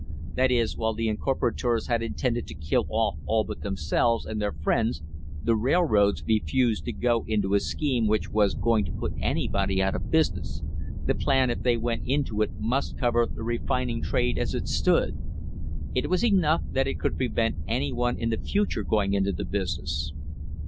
That is, while the incorpora tors had intended to kill off all but themselves and their friends, the railroads refused.tQ.go into a__&cjiejmte which was going to put anybody out of business — the plan if they went into it must cover the refining trade as it stood. It wasenough that it could prevent any oneLin__thfL future g o ing into the business.